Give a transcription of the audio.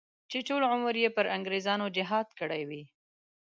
چې ټول عمر یې پر انګریزانو جهاد کړی وي.